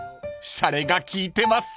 ［しゃれが利いてます］